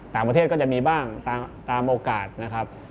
ต่างประเทศก็จะมีบ้างตามโอกาสนะครับ